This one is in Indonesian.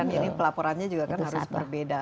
dan ini pelaporannya juga kan harus berbeda